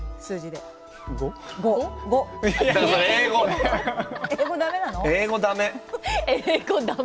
５？英語だめ。